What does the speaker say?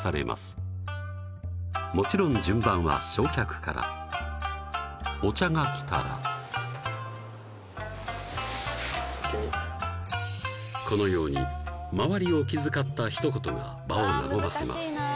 もちろん順番は正客からお茶が来たらこのように周りを気遣った一言が場を和ませます